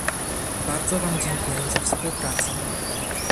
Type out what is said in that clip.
Bardzo wam dziękuję za współpracę